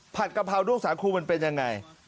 กะเพราด้วงสาคูมันเป็นยังไง